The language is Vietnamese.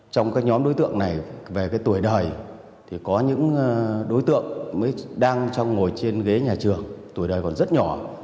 trong các nhóm đối tượng này về tuổi đời thì có những đối tượng mới đang ngồi trên ghế nhà trường tuổi đời còn rất nhỏ